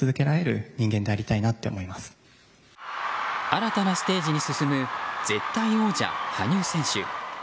新たなステージに進む絶対王者・羽生選手。